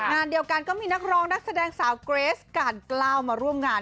งานเดียวกันก็มีนักร้องนักแสดงสาวเกรสการกล้าวมาร่วมงาน